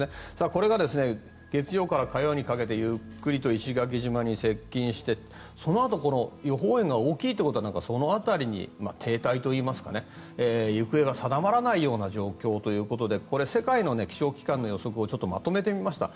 これが月曜から火曜にかけてゆっくりと石垣島に接近してそのあと予報円が大きいということでその辺りに停滞といいますか行方が定まらないような状況ということでこれ、世界の気象機関の予測をまとめてみました。